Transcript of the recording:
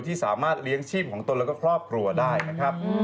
ที่สามารถเลี้ยงชีพของตนแล้วก็ครอบครัวได้นะครับ